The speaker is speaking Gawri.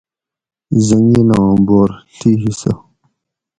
زنگلاں بور (ڷی حصّہ)